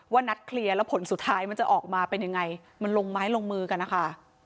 นัดเคลียร์แล้วผลสุดท้ายมันจะออกมาเป็นยังไงมันลงไม้ลงมือกันนะคะ